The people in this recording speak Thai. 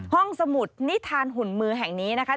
สมุดนิทานหุ่นมือแห่งนี้นะคะ